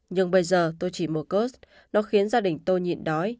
nhưng bây giờ tôi chỉ mua cus nó khiến gia đình tôi nhịn đói